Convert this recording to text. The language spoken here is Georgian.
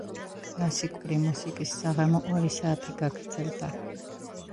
კლასიკური მუსიკის საღამო ორი საათი გაგრძელდა.